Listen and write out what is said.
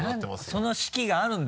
その式があるんだ？